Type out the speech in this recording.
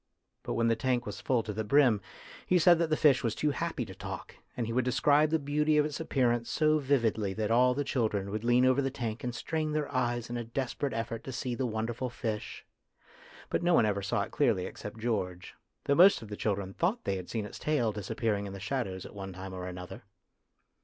But when the tank was full to the brim, he said that the fish was too happy to talk, and he would describe the beauty of its appearance so vividly that all the children would lean over the tank and strain their eyes in a desperate effort to see 250 FATE AND THE ARTIST the wonderful fish. But no one ever saw it clearly except George, though most of the children thought they had seen its tail dis appearing in the shadows at one time or another.